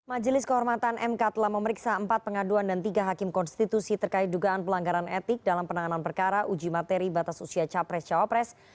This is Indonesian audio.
majelis kehormatan mk telah memeriksa empat pengaduan dan tiga hakim konstitusi terkait dugaan pelanggaran etik dalam penanganan perkara uji materi batas usia capres cawapres